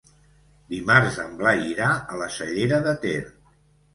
Dimarts en Blai irà a la Cellera de Ter.